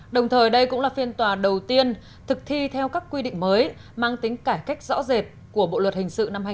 đồng thời đây cũng là phiên tòa đầu tiên thực thi theo các quy định mới mang tính cải cách rõ rệt của bộ luật hình sự năm hai nghìn một mươi năm